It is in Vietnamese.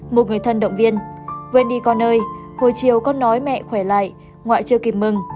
một người thân động viên wendy con ơi hồi chiều con nói mẹ khỏe lại ngoại chưa kịp mừng